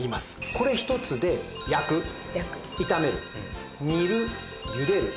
これ１つで焼く炒める煮るゆでる